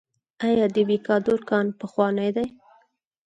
آیا د ویکادور کان پخوانی دی؟